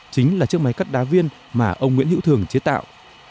chính là chiếc máy cắt đá viên mà ông nguyễn hữu thường chế tạo